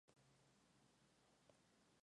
La Teoría Comprometida lo hace.